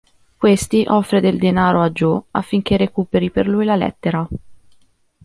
Questi offre del denaro a Jo affinché recuperi per lui la lettera.